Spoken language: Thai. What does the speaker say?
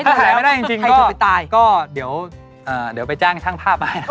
ถ้าถ่ายไม่ได้จริงก็เดี๋ยวไปจ้างช่างภาพมาให้นะคะ